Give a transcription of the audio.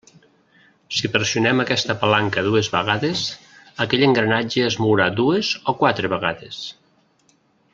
Si pressionem aquesta palanca dues vegades, ¿aquell engranatge es mourà dues o quatre vegades?